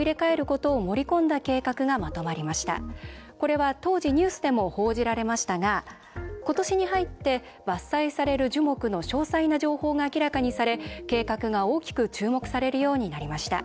これは当時ニュースでも報じられましたがことしに入って伐採される樹木の詳細な情報が明らかにされ計画が大きく注目されるようになりました。